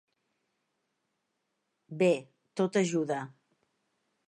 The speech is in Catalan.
Bé, tot ajuda.